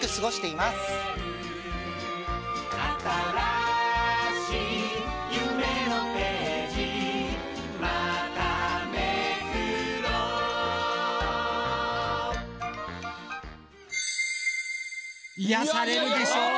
いやされるでしょう。